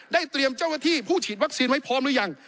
เตรียมเจ้าหน้าที่ผู้ฉีดวัคซีนไว้พร้อมหรือยัง